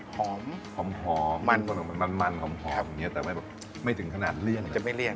หอมมันมันหอมมันไม่ถึงขนาดเลี่ยน